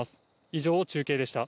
以上、中継でした。